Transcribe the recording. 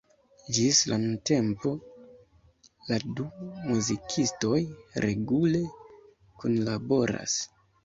Ĝis la nuntempo la du muzikistoj regule kunlaboras.